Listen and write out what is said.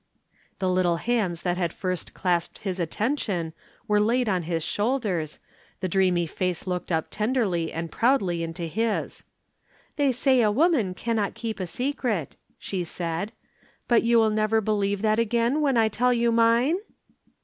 The little hands that had first clasped his attention were laid on his shoulders, the dreamy face looked up tenderly and proudly into his. "They say a woman cannot keep a secret," she said. "But you will never believe that again, when I tell you mine?"